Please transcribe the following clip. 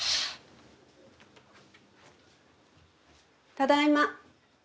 ただいま。